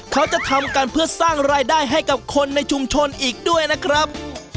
เขาจะทำกันเพื่อสร้างรายได้ให้กับคนในชุมชนอีกด้วยนะครับ